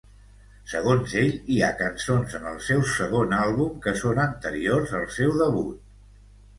Segons ell, hi ha cançons en el seu segon àlbum que són anteriors al seu debut.